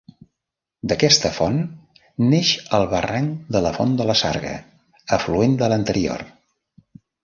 D'aquesta font neix el barranc de la Font de la Sarga, afluent de l'anterior.